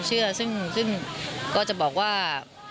ซึ่งก็จะบอกว่า